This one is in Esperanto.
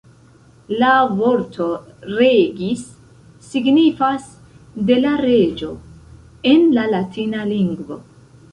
La vorto ""regis"" signifas ""de la reĝo"" en la latina lingvo.